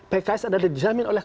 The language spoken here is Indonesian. pks adalah dijamin oleh